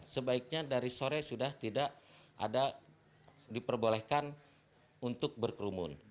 sebaiknya dari sore sudah tidak ada diperbolehkan untuk berkerumun